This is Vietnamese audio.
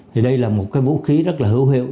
thì đây là một cái vũ khí rất là hữu hiệu